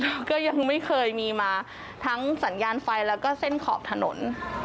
แล้วก็ยังไม่เคยมีมาทั้งสัญญาณไฟแล้วก็เส้นขอบถนน